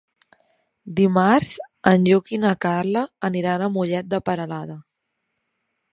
Dimarts en Lluc i na Carla aniran a Mollet de Peralada.